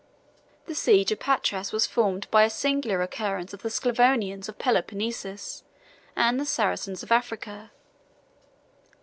The siege of Patras was formed by a singular concurrence of the Sclavonians of Peloponnesus and the Saracens of Africa.